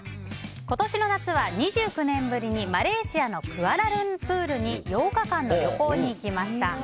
今年の夏は２９年ぶりにマレーシアのクアラルンプールに８日間の旅行に行きました。